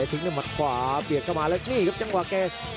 ทิ้งด้วยหมัดขวาเบียดเข้ามาแล้วนี่ครับจังหวะแก